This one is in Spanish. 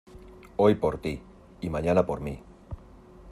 Hoy por ti, y mañana por mi.